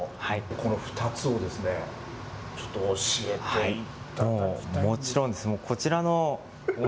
この２つをですね、ちょっと教えていただきたい。